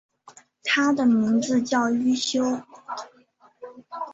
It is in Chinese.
他的名字叫一休。